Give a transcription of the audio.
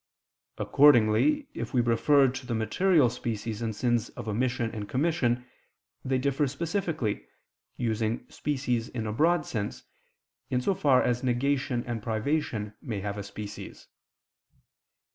Accordingly, if we refer to the material species in sins of omission and commission, they differ specifically, using species in a broad sense, in so far as negation and privation may have a species.